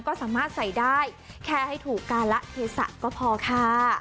ก็สามารถใส่ได้แค่ให้ถูกการละเทศะก็พอค่ะ